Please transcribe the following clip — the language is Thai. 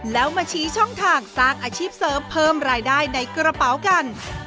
แล้วมาชี้ช่องทางสร้างอาชีพเสริมเพิ่มรายได้ในกระเป๋ากัน